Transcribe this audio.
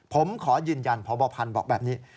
ผมขอยืนยันพบพันธ์บอกแบบนี้